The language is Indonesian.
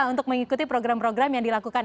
untuk mengikuti program program yang dilakukan